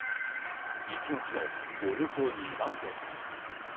１月のおよそ２倍です。